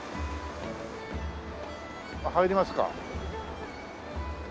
入りますか？